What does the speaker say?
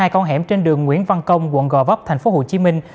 hai con hẻm trên đường nguyễn văn công quận gò vấp thành phố hồ chí minh